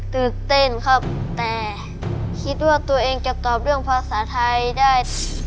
ตื่นเต้นครับแต่คิดว่าตัวเองจะตอบเรื่องภาษาไทยได้